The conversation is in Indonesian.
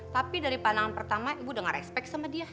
tapi dari pandangan pertama ibu dengar respect sama dia